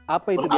apa itu biasanya